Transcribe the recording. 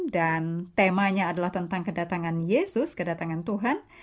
dan temanya adalah tentang kedatangan yesus kedatangan tuhan